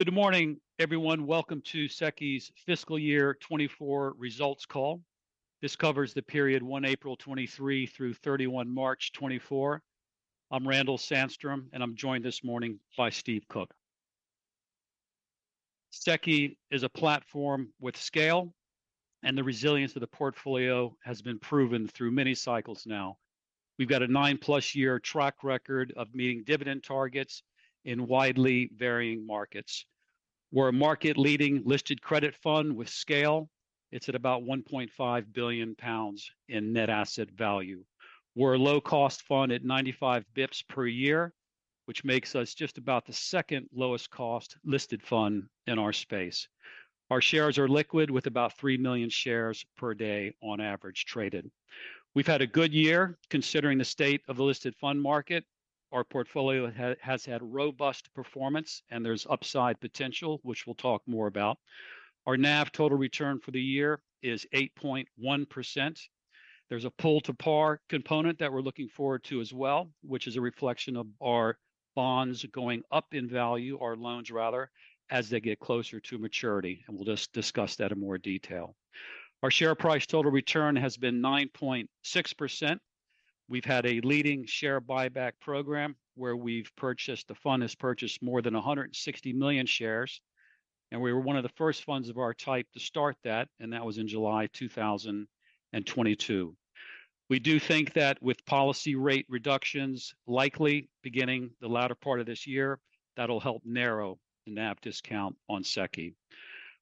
Good morning, everyone. Welcome to SECI's Fiscal Year 2024 results call. This covers the period 1 April 2023 through 31 March 2024. I'm Randall Sandstrom, and I'm joined this morning by Steve Cook. SECI is a platform with scale, and the resilience of the portfolio has been proven through many cycles now. We've got a 9+ year track record of meeting dividend targets in widely varying markets. We're a market-leading listed credit fund with scale. It's at about 1.5 billion pounds in net asset value. We're a low-cost fund at 95 basis points per year, which makes us just about the second lowest cost listed fund in our space. Our shares are liquid, with about 3 million shares per day on average traded. We've had a good year, considering the state of the listed fund market. Our portfolio has had robust performance, and there's upside potential, which we'll talk more about. Our NAV total return for the year is 8.1%. There's a pull-to-par component that we're looking forward to as well, which is a reflection of our bonds going up in value, or loans rather, as they get closer to maturity, and we'll just discuss that in more detail. Our share price total return has been 9.6%. We've had a leading share buyback program, where we've purchased, the fund has purchased more than 160 million shares, and we were one of the first funds of our type to start that, and that was in July 2022. We do think that with policy rate reductions likely beginning the latter part of this year, that'll help narrow the NAV discount on SECI.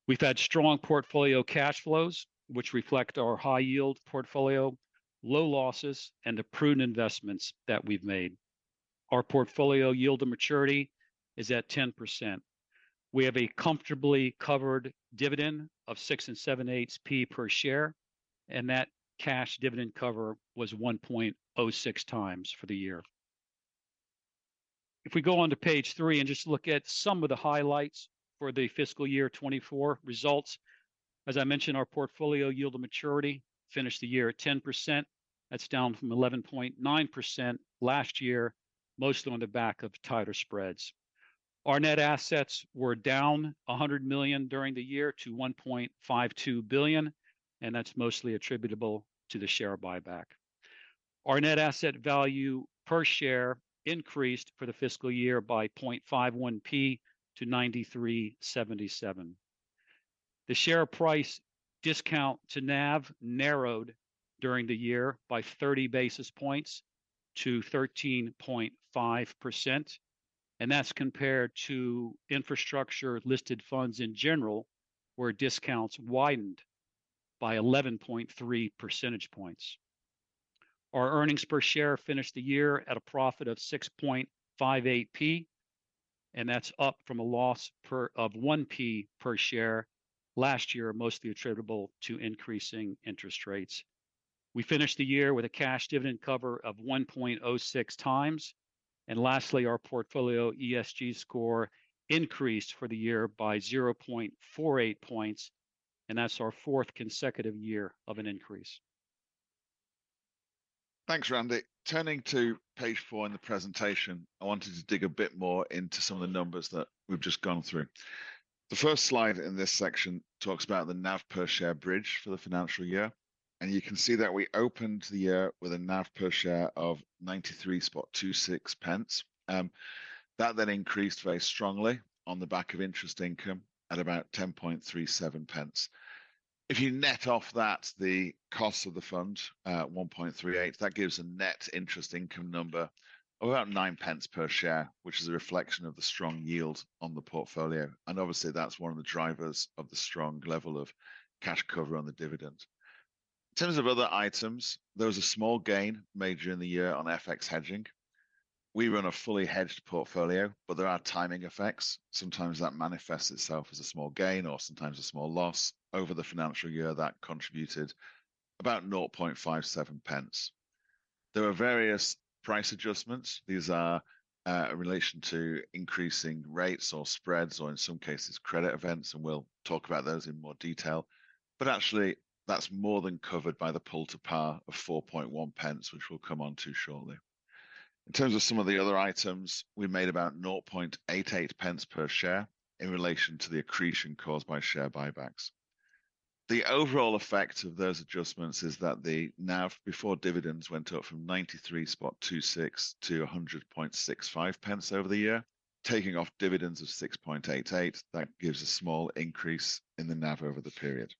We've had strong portfolio cash flows, which reflect our high-yield portfolio, low losses, and the prudent investments that we've made. Our portfolio yield to maturity is at 10%. We have a comfortably covered dividend of 6 7/8p per share, and that cash dividend cover was 1.06 times for the year. If we go on to page 3 and just look at some of the highlights for the fiscal year 2024 results, as I mentioned, our portfolio yield to maturity finished the year at 10%. That's down from 11.9% last year, mostly on the back of tighter spreads. Our net assets were down £100 million during the year to £1.52 billion, and that's mostly attributable to the share buyback. Our net asset value per share increased for the fiscal year by 0.51p to 93.77p. The share price discount to NAV narrowed during the year by 30 basis points to 13.5%, and that's compared to infrastructure-listed funds in general, where discounts widened by 11.3 percentage points. Our earnings per share finished the year at a profit of 6.58p, and that's up from a loss of 1p per share last year, mostly attributable to increasing interest rates. We finished the year with a cash dividend cover of 1.06 times. Lastly, our portfolio ESG score increased for the year by 0.48 points, and that's our fourth consecutive year of an increase. Thanks, Randy. Turning to page 4 in the presentation, I wanted to dig a bit more into some of the numbers that we've just gone through. The first slide in this section talks about the NAV per share bridge for the financial year, and you can see that we opened the year with a NAV per share of 0.9326. That then increased very strongly on the back of interest income at about 0.1037. If you net off that, the cost of the fund, 0.0138, that gives a net interest income number of about 0.09 per share, which is a reflection of the strong yield on the portfolio, and obviously, that's one of the drivers of the strong level of cash cover on the dividend. In terms of other items, there was a small gain made during the year on FX hedging. We run a fully hedged portfolio, but there are timing effects. Sometimes that manifests itself as a small gain or sometimes a small loss. Over the financial year, that contributed about 0.0057. There are various price adjustments. These are, in relation to increasing rates or spreads or, in some cases, credit events, and we'll talk about those in more detail. But actually, that's more than covered by the pull-to-par of 0.041, which we'll come onto shortly. In terms of some of the other items, we made about 0.0088 per share in relation to the accretion caused by share buybacks. The overall effect of those adjustments is that the NAV before dividends went up from 93.26 to 100.65 over the year. Taking off dividends of 6.88, that gives a small increase in the NAV over the period.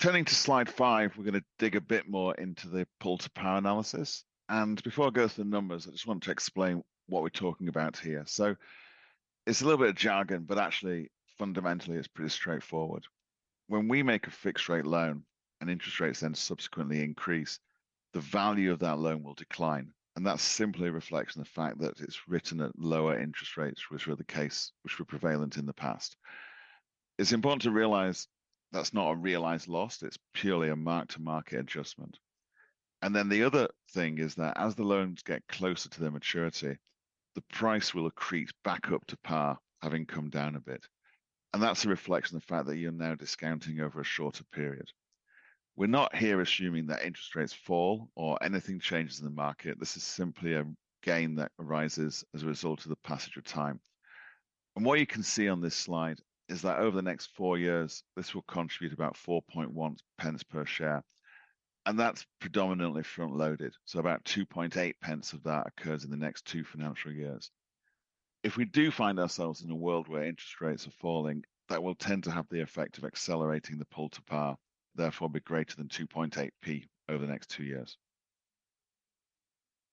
Turning to slide 5, we're gonna dig a bit more into the pull-to-par analysis, and before I go through the numbers, I just want to explain what we're talking about here. So it's a little bit of jargon, but actually, fundamentally, it's pretty straightforward. When we make a fixed-rate loan and interest rates then subsequently increase, the value of that loan will decline, and that simply reflects on the fact that it's written at lower interest rates, which were the case, which were prevalent in the past. It's important to realize that's not a realized loss. It's purely a mark-to-market adjustment. Then the other thing is that as the loans get closer to their maturity, the price will accrete back up to par, having come down a bit, and that's a reflection of the fact that you're now discounting over a shorter period. We're not here assuming that interest rates fall or anything changes in the market. This is simply a gain that arises as a result of the passage of time. And what you can see on this slide is that over the next 4 years, this will contribute about 0.041 per share, and that's predominantly front-loaded, so about 0.028 of that occurs in the next 2 financial years. If we do find ourselves in a world where interest rates are falling, that will tend to have the effect of accelerating the pull to par, therefore be greater than 2.8p over the next two years.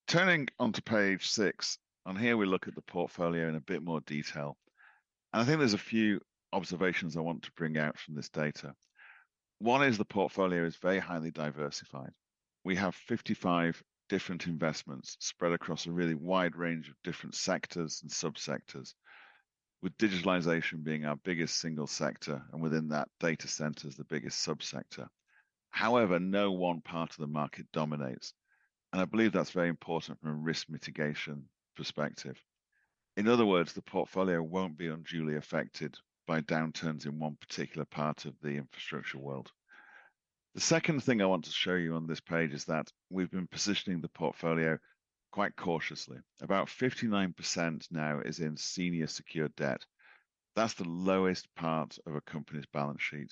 Turning onto page six, on here we look at the portfolio in a bit more detail, and I think there's a few observations I want to bring out from this data. One is the portfolio is very highly diversified. We have 55 different investments spread across a really wide range of different sectors and sub-sectors, with digitalization being our biggest single sector, and within that, data center is the biggest sub-sector. However, no one part of the market dominates, and I believe that's very important from a risk mitigation perspective. In other words, the portfolio won't be unduly affected by downturns in one particular part of the infrastructure world. The second thing I want to show you on this page is that we've been positioning the portfolio quite cautiously. About 59% now is in senior secured debt. That's the lowest part of a company's balance sheet.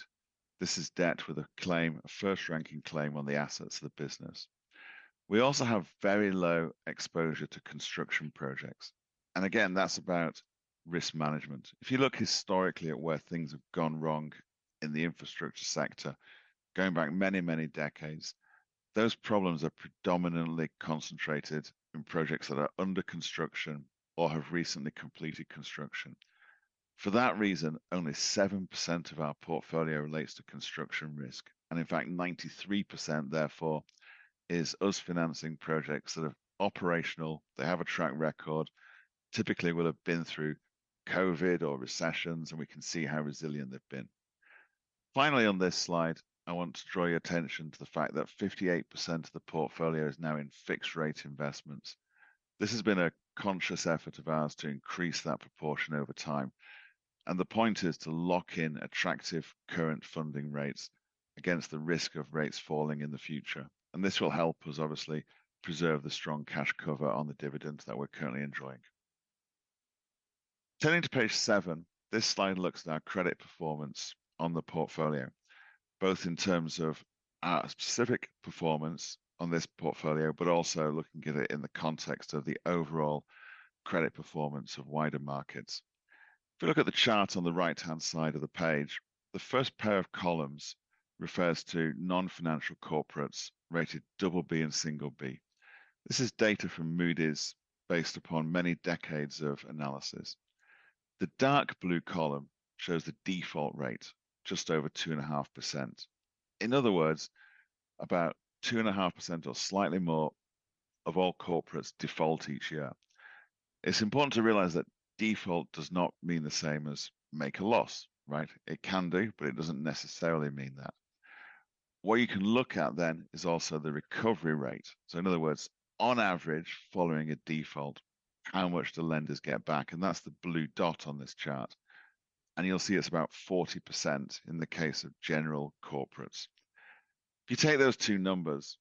This is debt with a claim, a first-ranking claim on the assets of the business. We also have very low exposure to construction projects, and again, that's about risk management. If you look historically at where things have gone wrong in the infrastructure sector, going back many, many decades, those problems are predominantly concentrated in projects that are under construction or have recently completed construction. For that reason, only 7% of our portfolio relates to construction risk, and in fact, 93%, therefore, is us financing projects that are operational. They have a track record, typically will have been through COVID or recessions, and we can see how resilient they've been. Finally, on this slide, I want to draw your attention to the fact that 58% of the portfolio is now in fixed-rate investments. This has been a conscious effort of ours to increase that proportion over time, and the point is to lock in attractive current funding rates against the risk of rates falling in the future. This will help us obviously preserve the strong cash cover on the dividends that we're currently enjoying. Turning to page 7, this slide looks at our credit performance on the portfolio, both in terms of our specific performance on this portfolio, but also looking at it in the context of the overall credit performance of wider markets. If you look at the chart on the right-hand side of the page, the first pair of columns refers to non-financial corporates rated double B and single B. This is data from Moody's, based upon many decades of analysis. The dark blue column shows the default rate, just over 2.5%. In other words, about 2.5% or slightly more of all corporates default each year. It's important to realize that default does not mean the same as make a loss, right? It can do, but it doesn't necessarily mean that. What you can look at then is also the recovery rate. So in other words, on average, following a default, how much the lenders get back, and that's the blue dot on this chart. And you'll see it's about 40% in the case of general corporates. If you take those two numbers,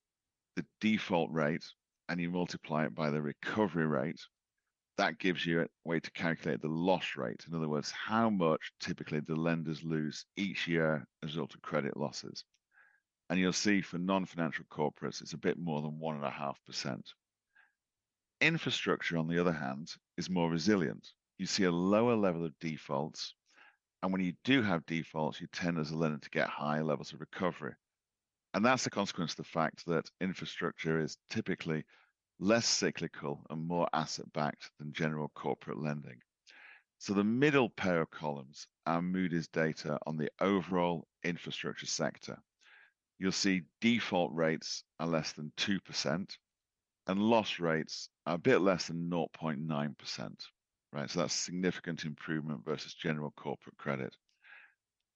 the default rate, and you multiply it by the recovery rate, that gives you a way to calculate the loss rate. In other words, how much typically the lenders lose each year as a result of credit losses. And you'll see for non-financial corporates, it's a bit more than 1.5%. Infrastructure, on the other hand, is more resilient. You see a lower level of defaults, and when you do have defaults, you tend as a lender to get higher levels of recovery. And that's a consequence of the fact that infrastructure is typically less cyclical and more asset-backed than general corporate lending. So the middle pair of columns are Moody's data on the overall infrastructure sector. You'll see default rates are less than 2% and loss rates are a bit less than 0.9%, right? So that's a significant improvement versus general corporate credit.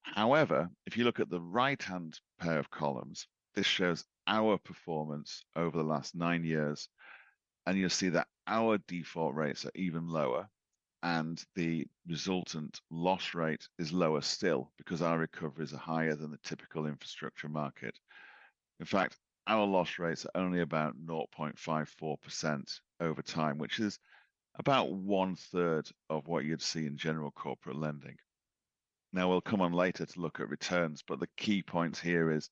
However, if you look at the right-hand pair of columns, this shows our performance over the last 9 years, and you'll see that our default rates are even lower, and the resultant loss rate is lower still, because our recoveries are higher than the typical infrastructure market. In fact, our loss rates are only about 0.54% over time, which is about one-third of what you'd see in general corporate lending. Now, we'll come on later to look at returns, but the key points here is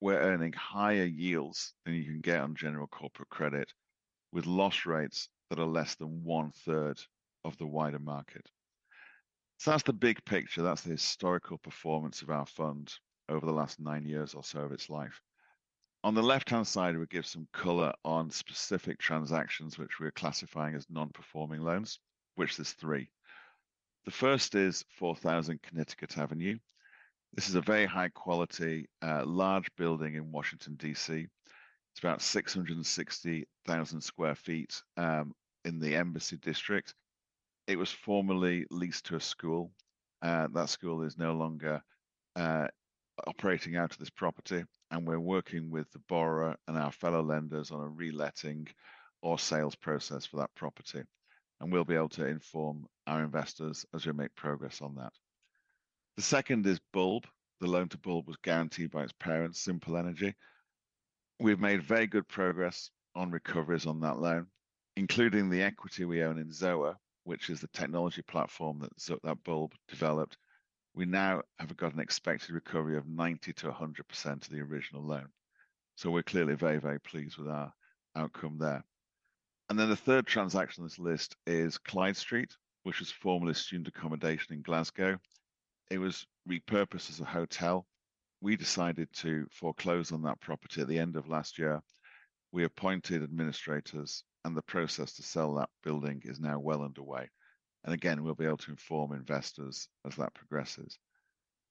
we're earning higher yields than you can get on general corporate credit, with loss rates that are less than one-third of the wider market. So that's the big picture. That's the historical performance of our fund over the last 9 years or so of its life. On the left-hand side, we give some color on specific transactions, which we are classifying as non-performing loans, which there's three. The first is 4,000 Connecticut Avenue. This is a very high-quality, large building in Washington, D.C. It's about 660,000 sq ft in the Embassy District. It was formerly leased to a school, and that school is no longer operating out of this property, and we're working with the borrower and our fellow lenders on a reletting or sales process for that property. We'll be able to inform our investors as we make progress on that. The second is Bulb. The loan to Bulb was guaranteed by its parent, Simple Energy. We've made very good progress on recoveries on that loan, including the equity we own in Zoa, which is the technology platform that that Bulb developed. We now have got an expected recovery of 90%-100% of the original loan. So we're clearly very, very pleased with our outcome there. And then the third transaction on this list is Clyde Street, which was formerly student accommodation in Glasgow. It was repurposed as a hotel. We decided to foreclose on that property at the end of last year. We appointed administrators, and the process to sell that building is now well underway. And again, we'll be able to inform investors as that progresses.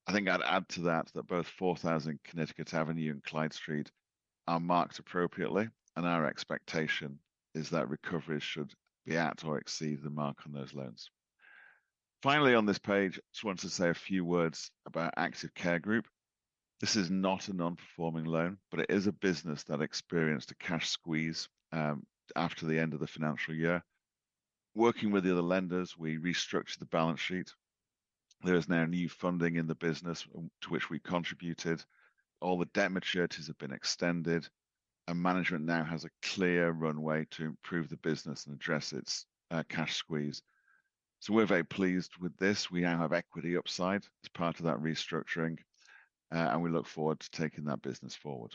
I think I'd add to that, that both 4,000 Connecticut Avenue and Clyde Street are marked appropriately, and our expectation is that recovery should be at or exceed the mark on those loans. Finally, on this page, just want to say a few words about Active Care Group. This is not a non-performing loan, but it is a business that experienced a cash squeeze after the end of the financial year. Working with the other lenders, we restructured the balance sheet. There is now new funding in the business, to which we contributed. All the debt maturities have been extended, and management now has a clear runway to improve the business and address its cash squeeze. So we're very pleased with this. We now have equity upside as part of that restructuring, and we look forward to taking that business forward.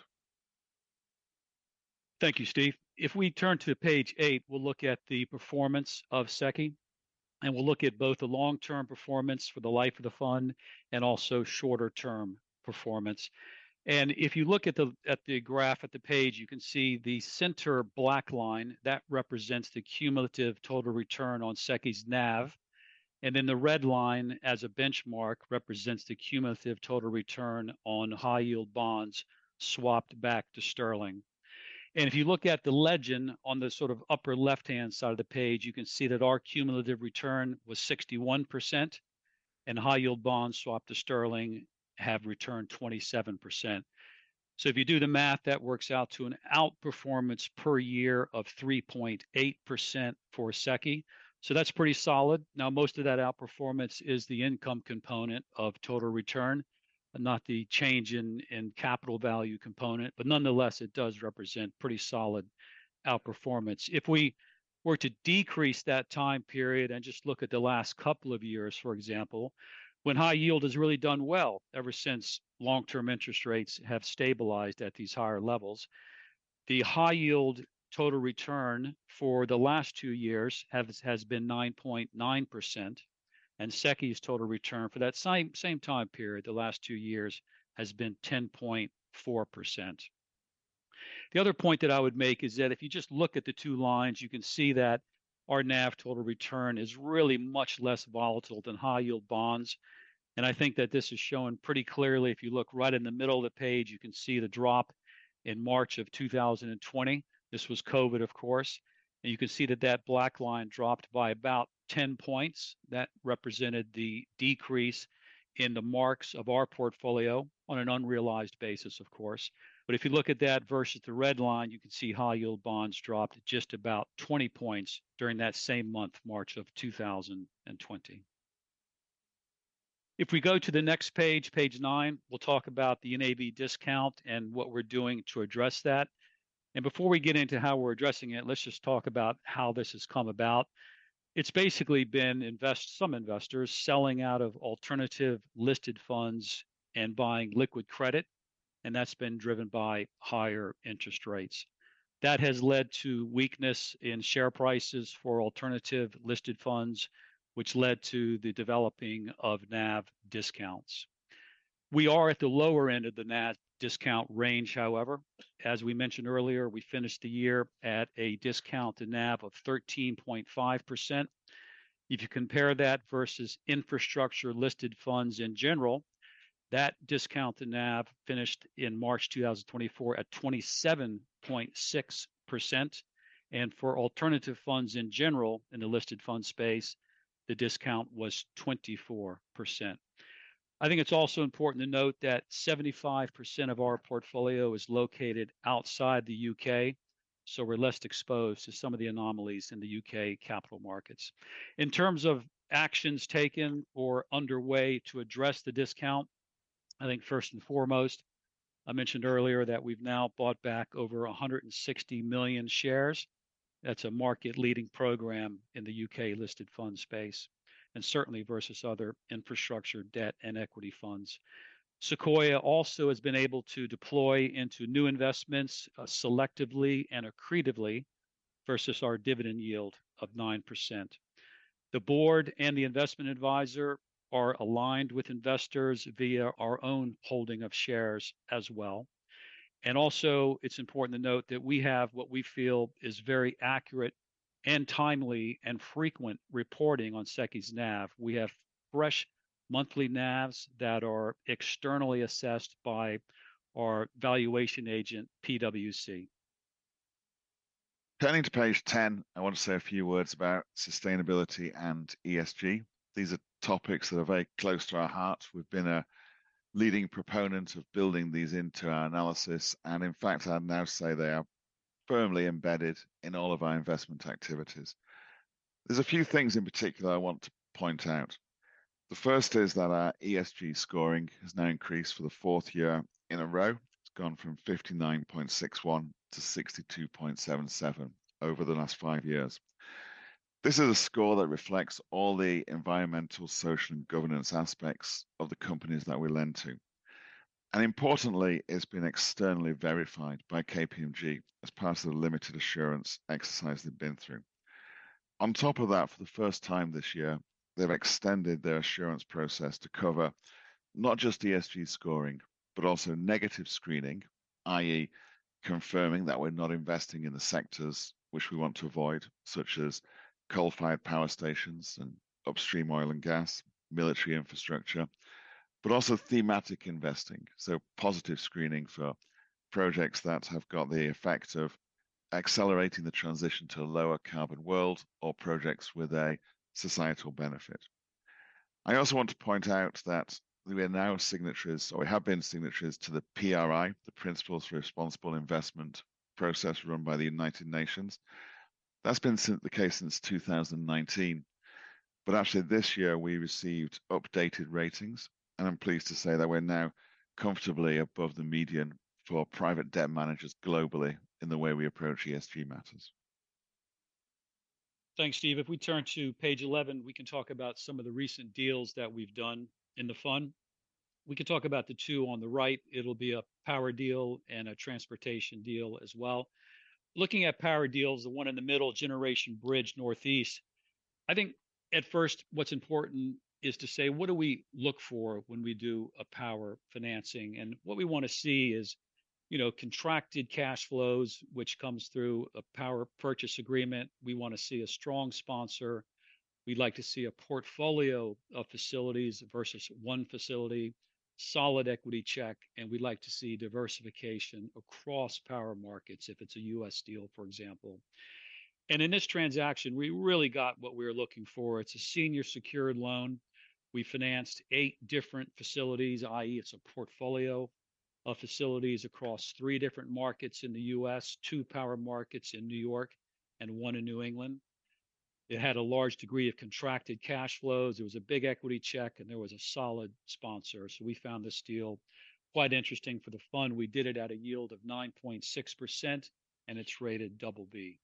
Thank you, Steve. If we turn to page 8, we'll look at the performance of SECI, and we'll look at both the long-term performance for the life of the fund and also shorter-term performance. If you look at the graph at the page, you can see the center black line, that represents the cumulative total return on SECI's NAV. Then the red line, as a benchmark, represents the cumulative total return on high-yield bonds swapped back to sterling. If you look at the legend on the sort of upper left-hand side of the page, you can see that our cumulative return was 61%, and high-yield bonds swapped to sterling have returned 27%. So if you do the math, that works out to an outperformance per year of 3.8% for SECI. So that's pretty solid. Now, most of that outperformance is the income component of total return, and not the change in capital value component, but nonetheless, it does represent pretty solid outperformance. If we were to decrease that time period and just look at the last couple of years, for example, when high yield has really done well ever since long-term interest rates have stabilized at these higher levels, the high-yield total return for the last two years has been 9.9%, and SECI's total return for that same time period, the last two years, has been 10.4%. The other point that I would make is that if you just look at the two lines, you can see that our NAV total return is really much less volatile than high-yield bonds. I think that this is shown pretty clearly. If you look right in the middle of the page, you can see the drop in March 2020. This was COVID, of course. You can see that that black line dropped by about 10 points. That represented the decrease in the marks of our portfolio on an unrealized basis, of course. But if you look at that versus the red line, you can see high-yield bonds dropped just about 20 points during that same month, March 2020. If we go to the next page, page 9, we'll talk about the NAV discount and what we're doing to address that. Before we get into how we're addressing it, let's just talk about how this has come about. It's basically been some investors selling out of alternative listed funds and buying liquid credit, and that's been driven by higher interest rates. That has led to weakness in share prices for alternative listed funds, which led to the developing of NAV discounts. We are at the lower end of the NAV discount range, however. As we mentioned earlier, we finished the year at a discount to NAV of 13.5%. If you compare that versus infrastructure listed funds in general, that discount to NAV finished in March 2024 at 27.6%, and for alternative funds in general, in the listed fund space, the discount was 24%. I think it's also important to note that 75% of our portfolio is located outside the UK, so we're less exposed to some of the anomalies in the UK capital markets. In terms of actions taken or underway to address the discount, I think first and foremost, I mentioned earlier that we've now bought back over 160 million shares. That's a market-leading program in the U.K.-listed fund space, and certainly versus other infrastructure, debt, and equity funds. Sequoia also has been able to deploy into new investments, selectively and accretively versus our dividend yield of 9%. The board and the investment advisor are aligned with investors via our own holding of shares as well. And also, it's important to note that we have what we feel is very accurate and timely and frequent reporting on SECI's NAV. We have fresh monthly NAVs that are externally assessed by our valuation agent, PwC. Turning to page 10, I want to say a few words about sustainability and ESG. These are topics that are very close to our hearts. We've been a leading proponent of building these into our analysis, and in fact, I'd now say they are firmly embedded in all of our investment activities. There's a few things in particular I want to point out. The first is that our ESG scoring has now increased for the fourth year in a row. It's gone from 59.61 to 62.77 over the last five years. This is a score that reflects all the environmental, social, and governance aspects of the companies that we lend to, and importantly, it's been externally verified by KPMG as part of the limited assurance exercise they've been through. On top of that, for the first time this year, they've extended their assurance process to cover not just ESG scoring, but also negative screening, i.e., confirming that we're not investing in the sectors which we want to avoid, such as coal-fired power stations and upstream oil and gas, military infrastructure, but also thematic investing. So positive screening for projects that have got the effect of accelerating the transition to a lower carbon world or projects with a societal benefit. I also want to point out that we are now signatories, or we have been signatories to the PRI, the Principles for Responsible Investment process run by the United Nations. That's been the case since 2019. Actually, this year we received updated ratings, and I'm pleased to say that we're now comfortably above the median for private debt managers globally in the way we approach ESG matters. Thanks, Steve. If we turn to page 11, we can talk about some of the recent deals that we've done in the fund. We can talk about the two on the right. It'll be a power deal and a transportation deal as well. Looking at power deals, the one in the middle, Generation Bridge Northeast, I think at first, what's important is to say: What do we look for when we do a power financing? And what we wanna see is, you know, contracted cash flows, which comes through a power purchase agreement. We wanna see a strong sponsor. We'd like to see a portfolio of facilities versus one facility, solid equity check, and we'd like to see diversification across power markets if it's a U.S. deal, for example. And in this transaction, we really got what we were looking for. It's a senior secured loan. We financed 8 different facilities, i.e., it's a portfolio of facilities across three different markets in the U.S., two power markets in New York, and one in New England. It had a large degree of contracted cash flows. There was a big equity check, and there was a solid sponsor. So we found this deal quite interesting for the fund. We did it at a yield of 9.6%, and it's rated double B.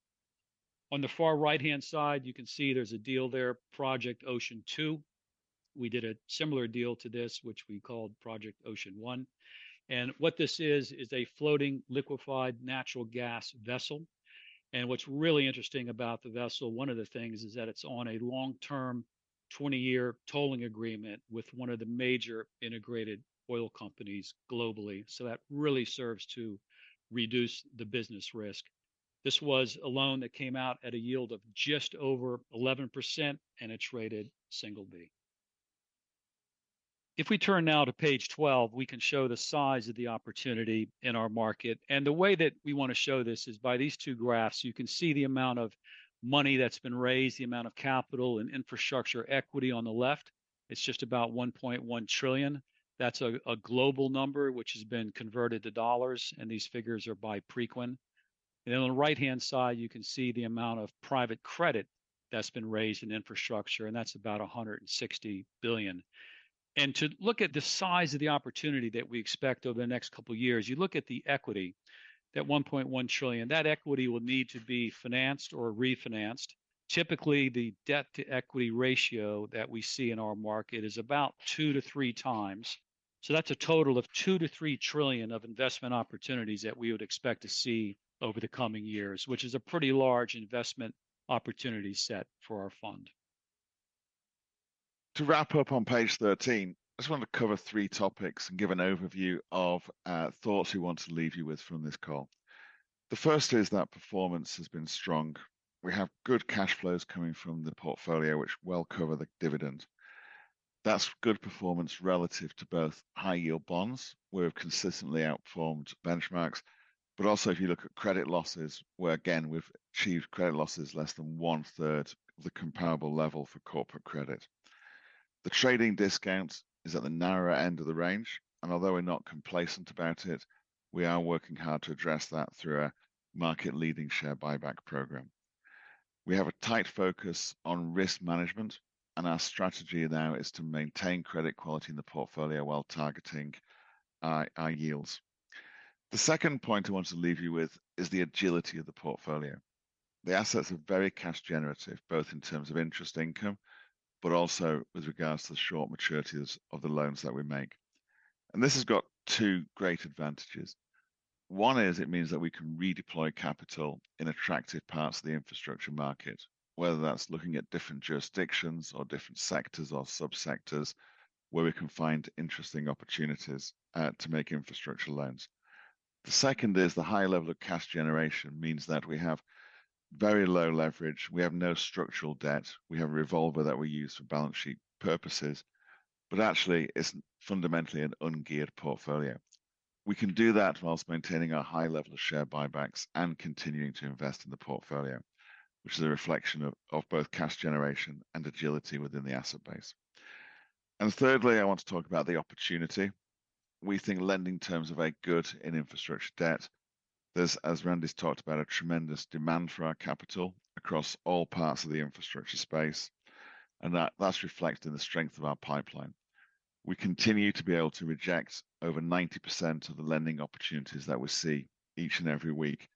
On the far right-hand side, you can see there's a deal there, Project Ocean Two. We did a similar deal to this, which we called Project Ocean One. And what this is, is a floating liquefied natural gas vessel. And what's really interesting about the vessel, one of the things, is that it's on a long-term, 20-year tolling agreement with one of the major integrated oil companies globally. So that really serves to reduce the business risk. This was a loan that came out at a yield of just over 11%, and it's rated single B. If we turn now to page 12, we can show the size of the opportunity in our market. The way that we wanna show this is by these two graphs. You can see the amount of money that's been raised, the amount of capital and infrastructure equity on the left. It's just about $1.1 trillion. That's a global number, which has been converted to dollars, and these figures are by Preqin. On the right-hand side, you can see the amount of private credit that's been raised in infrastructure, and that's about $160 billion. To look at the size of the opportunity that we expect over the next couple of years, you look at the equity, that $1.1 trillion, that equity will need to be financed or refinanced. Typically, the debt-to-equity ratio that we see in our market is about 2-3 times. So that's a total of $2-$3 trillion of investment opportunities that we would expect to see over the coming years, which is a pretty large investment opportunity set for our fund. To wrap up on page 13, I just want to cover three topics and give an overview of thoughts we want to leave you with from this call. The first is that performance has been strong. We have good cash flows coming from the portfolio, which will cover the dividend. That's good performance relative to both high-yield bonds, where we've consistently outperformed benchmarks. But also, if you look at credit losses, where again, we've achieved credit losses less than one-third of the comparable level for corporate credit. The trading discount is at the narrower end of the range, and although we're not complacent about it, we are working hard to address that through our market-leading share buyback program. We have a tight focus on risk management, and our strategy now is to maintain credit quality in the portfolio while targeting our yields. The second point I want to leave you with is the agility of the portfolio. The assets are very cash generative, both in terms of interest income, but also with regards to the short maturities of the loans that we make. This has got two great advantages. One is it means that we can redeploy capital in attractive parts of the infrastructure market, whether that's looking at different jurisdictions or different sectors or subsectors, where we can find interesting opportunities to make infrastructure loans. The second is the high level of cash generation means that we have very low leverage, we have no structural debt, we have a revolver that we use for balance sheet purposes, but actually, it's fundamentally an ungeared portfolio.... We can do that while maintaining our high level of share buybacks and continuing to invest in the portfolio, which is a reflection of, of both cash generation and agility within the asset base. Thirdly, I want to talk about the opportunity. We think lending terms are very good in infrastructure debt. There's, as Randy's talked about, a tremendous demand for our capital across all parts of the infrastructure space, and that, that's reflected in the strength of our pipeline. We continue to be able to reject over 90% of the lending opportunities that we see each and every week,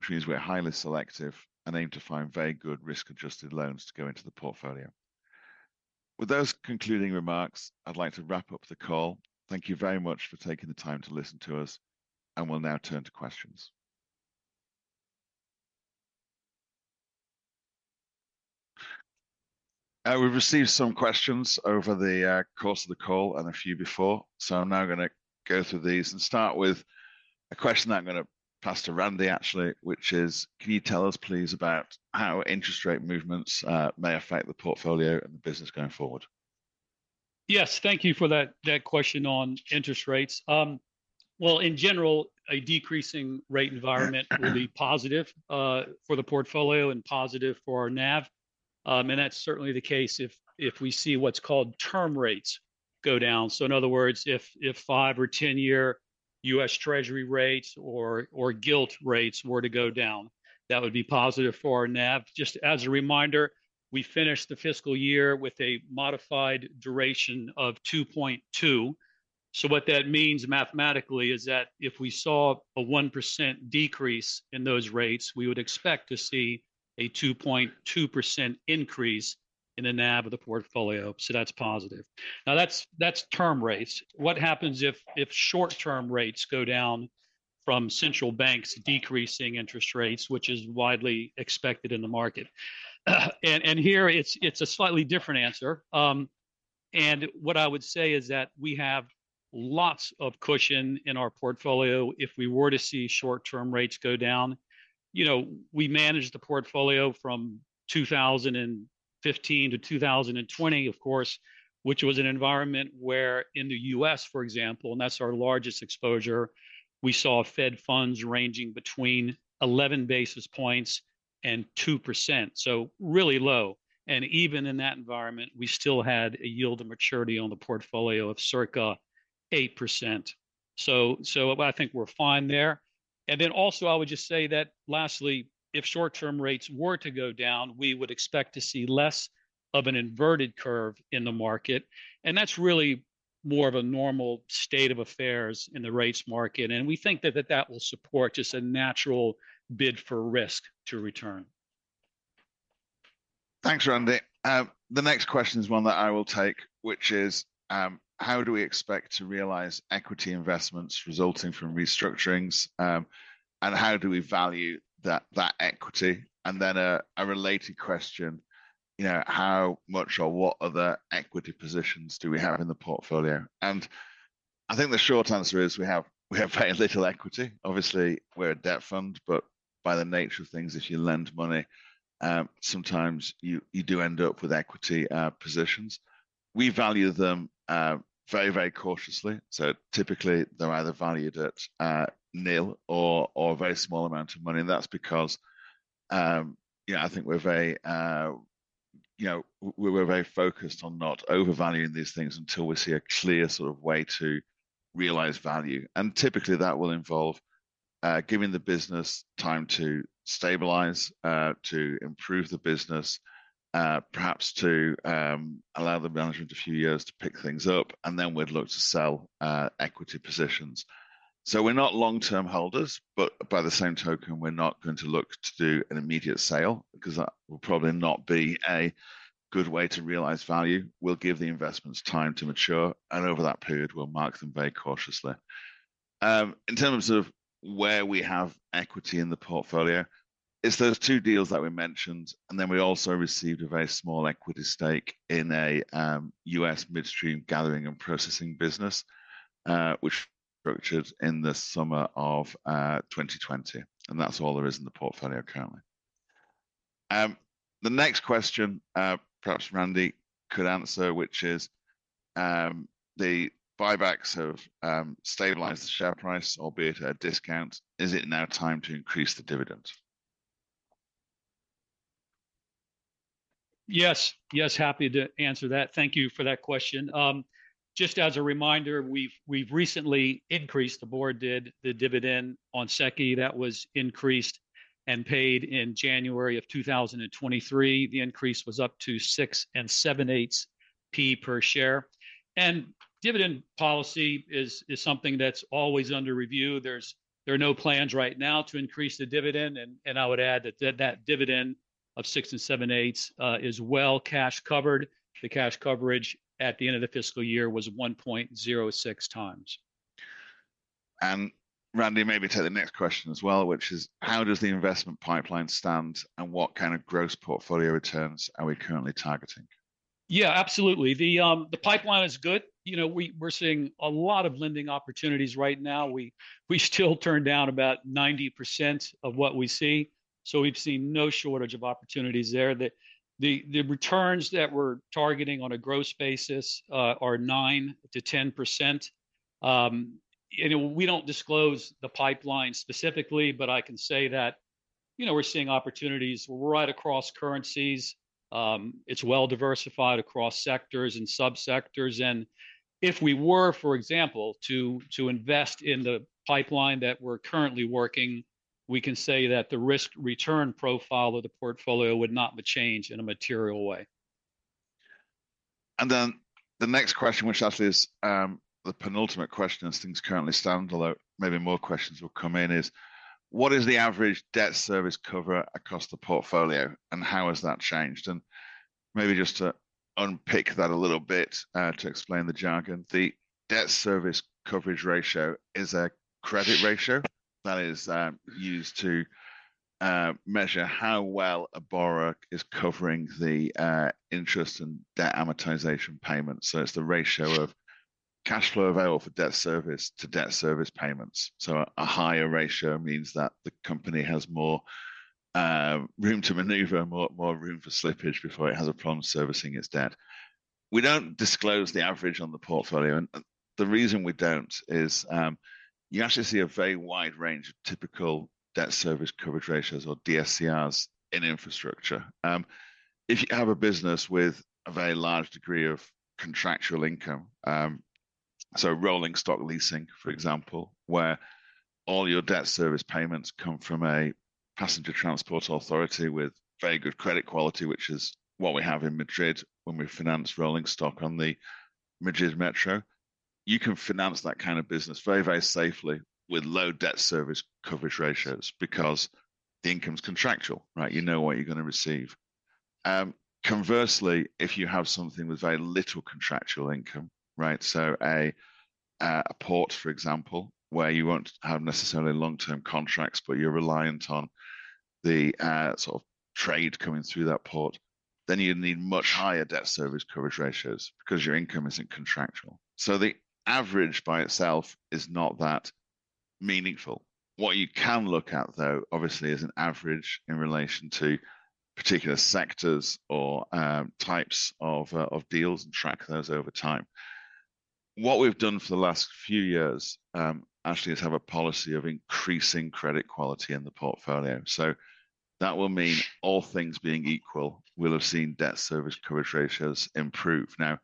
which means we're highly selective and aim to find very good risk-adjusted loans to go into the portfolio. With those concluding remarks, I'd like to wrap up the call. Thank you very much for taking the time to listen to us, and we'll now turn to questions. We've received some questions over the course of the call and a few before, so I'm now gonna go through these and start with a question that I'm gonna pass to Randy, actually, which is: Can you tell us, please, about how interest rate movements may affect the portfolio and the business going forward? Yes. Thank you for that question on interest rates. Well, in general, a decreasing rate environment will be positive for the portfolio and positive for our NAV. And that's certainly the case if we see what's called term rates go down. So in other words, if 5- or 10-year US Treasury rates or Gilt rates were to go down, that would be positive for our NAV. Just as a reminder, we finished the fiscal year with a modified duration of 2.2. So what that means mathematically is that if we saw a 1% decrease in those rates, we would expect to see a 2.2% increase in the NAV of the portfolio, so that's positive. Now, that's term rates. What happens if short-term rates go down from central banks decreasing interest rates, which is widely expected in the market? And here it's a slightly different answer. And what I would say is that we have lots of cushion in our portfolio if we were to see short-term rates go down. You know, we managed the portfolio from 2015 to 2020, of course, which was an environment where in the US, for example, and that's our largest exposure, we saw Fed funds ranging between 11 basis points and 2%, so really low. And even in that environment, we still had a yield to maturity on the portfolio of circa 8%. So I think we're fine there. And then also I would just say that, lastly, if short-term rates were to go down, we would expect to see less of an inverted curve in the market, and that's really more of a normal state of affairs in the rates market. We think that will support just a natural bid for risk to return. Thanks, Randy. The next question is one that I will take, which is: How do we expect to realize equity investments resulting from restructurings, and how do we value that, that equity? And then, a related question, you know: How much or what other equity positions do we have in the portfolio? And I think the short answer is we have, we have very little equity. Obviously, we're a debt fund, but by the nature of things, if you lend money, sometimes you, you do end up with equity positions. We value them very, very cautiously, so typically, they're either valued at nil or, or a very small amount of money. And that's because, yeah, I think we're very, you know... We're very focused on not overvaluing these things until we see a clear sort of way to realize value. Typically, that will involve giving the business time to stabilize, to improve the business, perhaps to allow the management a few years to pick things up, and then we'd look to sell equity positions. We're not long-term holders, but by the same token, we're not going to look to do an immediate sale, because that will probably not be a good way to realize value. We'll give the investments time to mature, and over that period, we'll mark them very cautiously. In terms of where we have equity in the portfolio, it's those two deals that we mentioned, and then we also received a very small equity stake in a US midstream gathering and processing business, which structured in the summer of 2020, and that's all there is in the portfolio currently. The next question, perhaps Randall could answer, which is: The buybacks have stabilized the share price, albeit at a discount. Is it now time to increase the dividend? Yes. Yes, happy to answer that. Thank you for that question. Just as a reminder, we've recently increased, the board did, the dividend on SECI. That was increased and paid in January of 2023. The increase was up to 6.875p per share. Dividend policy is something that's always under review. There are no plans right now to increase the dividend, and I would add that that dividend of 6.875p is well cash-covered. The cash coverage at the end of the fiscal year was 1.06 times. Randall, maybe take the next question as well, which is: How does the investment pipeline stand, and what kind of gross portfolio returns are we currently targeting? Yeah, absolutely. The pipeline is good. You know, we're seeing a lot of lending opportunities right now. We still turn down about 90% of what we see. So we've seen no shortage of opportunities there. The returns that we're targeting on a gross basis are 9%-10%. And we don't disclose the pipeline specifically, but I can say that, you know, we're seeing opportunities right across currencies. It's well diversified across sectors and sub-sectors, and if we were, for example, to invest in the pipeline that we're currently working, we can say that the risk-return profile of the portfolio would not be changed in a material way. The next question, which actually is the penultimate question as things currently stand, although maybe more questions will come in, is: What is the average debt service cover across the portfolio, and how has that changed? Maybe just to unpick that a little bit, to explain the jargon, the debt service coverage ratio is a credit ratio that is used to measure how well a borrower is covering the interest and debt amortization payments. It's the ratio of cash flow available for debt service to debt service payments. A higher ratio means that the company has more room to maneuver, more, more room for slippage before it has a problem servicing its debt. We don't disclose the average on the portfolio, and the reason we don't is, you actually see a very wide range of typical debt service coverage ratios, or DSCRs, in infrastructure. If you have a business with a very large degree of contractual income, so rolling stock leasing, for example, where all your debt service payments come from a passenger transport authority with very good credit quality, which is what we have in Madrid when we financed rolling stock on the Madrid Metro, you can finance that kind of business very, very safely with low debt service coverage ratios because the income's contractual, right? You know what you're gonna receive. Conversely, if you have something with very little contractual income, right, so a port, for example, where you won't have necessarily long-term contracts, but you're reliant on the sort of trade coming through that port, then you'd need much higher debt service coverage ratios because your income isn't contractual. So the average by itself is not that meaningful. What you can look at, though, obviously, is an average in relation to particular sectors or types of deals and track those over time. What we've done for the last few years, actually, is have a policy of increasing credit quality in the portfolio. So that will mean, all things being equal, we'll have seen debt service coverage ratios improve. Now,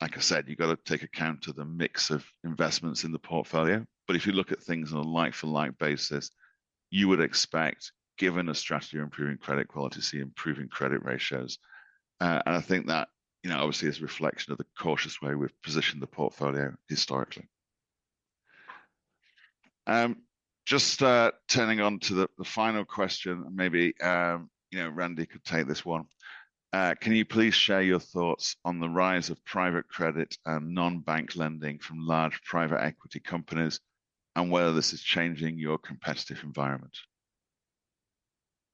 like I said, you've got to take account of the mix of investments in the portfolio, but if you look at things on a like-for-like basis, you would expect, given a strategy of improving credit quality, to see improving credit ratios. And I think that, you know, obviously is a reflection of the cautious way we've positioned the portfolio historically. Just turning on to the final question, maybe you know, Randy could take this one. Can you please share your thoughts on the rise of private credit and non-bank lending from large private equity companies, and whether this is changing your competitive environment?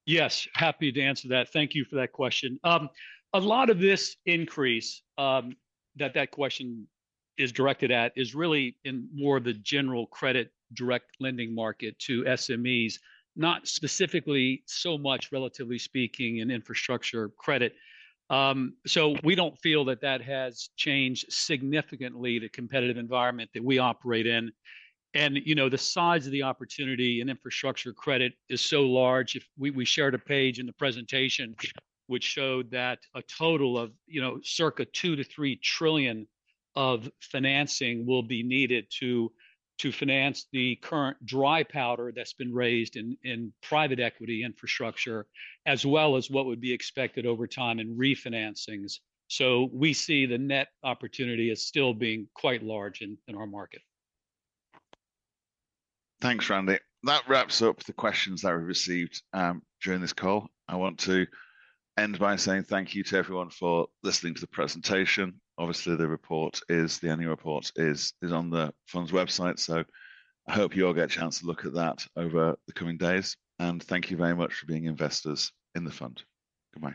Yes, happy to answer that. Thank you for that question. A lot of this increase, that that question is directed at is really in more of the general credit direct lending market to SMEs, not specifically so much, relatively speaking, in infrastructure credit. So we don't feel that that has changed significantly the competitive environment that we operate in. And, you know, the size of the opportunity in infrastructure credit is so large. We shared a page in the presentation which showed that a total of, you know, circa $2-3 trillion of financing will be needed to finance the current dry powder that's been raised in private equity infrastructure, as well as what would be expected over time in refinancings. So we see the net opportunity as still being quite large in our market. Thanks, Randy. That wraps up the questions that we received during this call. I want to end by saying thank you to everyone for listening to the presentation. Obviously, the annual report is on the fund's website, so I hope you all get a chance to look at that over the coming days. And thank you very much for being investors in the fund. Goodbye.